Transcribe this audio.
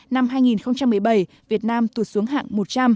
năm hai nghìn một mươi bảy việt nam tụt xuống hạng một trăm linh